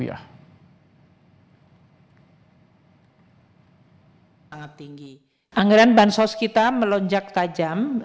anggaran bansos kita melonjak tajam